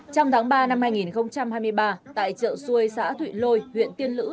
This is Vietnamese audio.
trong tháng ba năm hai nghìn hai mươi ba tại chợ xuôi xã thụy lôi huyện tiên lữ